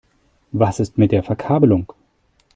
Was ist mit der Verkabelung?